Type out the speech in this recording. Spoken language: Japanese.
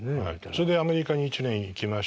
それでアメリカに１年行きまして。